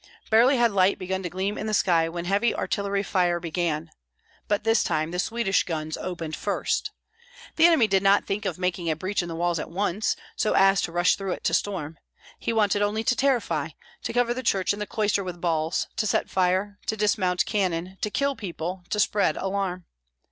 Barely had light begun to gleam in the sky when heavy artillery firing began; but this time the Swedish guns opened first. The enemy did not think of making a breach in the walls at once, so as to rush through it to storm; he wanted only to terrify, to cover the church and the cloister with balls, to set fire, to dismount cannon, to kill people, to spread alarm.